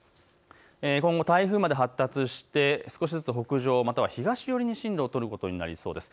今後、台風まで発達して少しずつ北上、または東寄りに進路を取ることになりそうです。